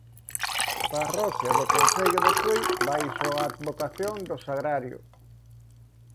Parroquia do concello de Tui baixo a advocación do Sagrario.